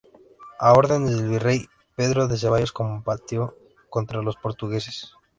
A órdenes del virrey Pedro de Ceballos combatió contra los portugueses.